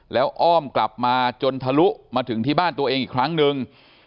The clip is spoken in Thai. แล้วอ้อมกลับมาจนทะลุมาถึงที่บ้านตัวเองอีกครั้งหนึ่ง